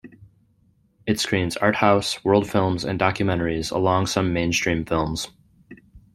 It screens art-house, world films and documentaries alongside some mainstream films.